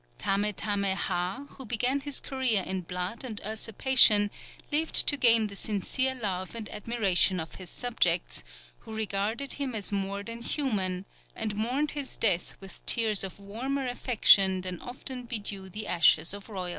Tame tame hah, who began his career in blood and usurpation, lived to gain the sincere love and admiration of his subjects, who regarded him as more than human, and mourned his death with tears of warmer affection than often bedew the ashes of royalty."